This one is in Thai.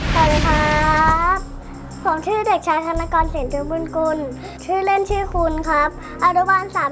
คุณครับผมชื่อเด็กชาธนกรเศรษฐบุลกุลชื่อเล่นชื่อคุณครับเออรบาล๓ครับ๒